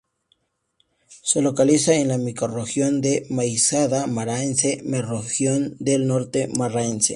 Se localiza en la microrregión de la Baixada Maranhense, mesorregión del Norte Maranhense.